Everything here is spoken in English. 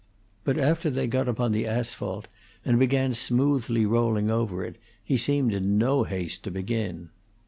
But after they got upon the asphalt, and began smoothly rolling over it, he seemed in no haste to begin.